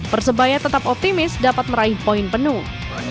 persebaya tetap optimis dapat meraih poin penuh